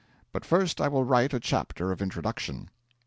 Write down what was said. But first I will write a chapter of introduction.